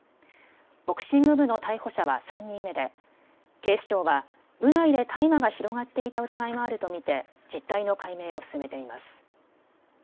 ボクシング部の逮捕者は３人目で警視庁は部内で大麻が広がっていた疑いもあると見て実態の解明を進めています。